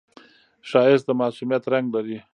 ښایست د معصومیت رنگ لري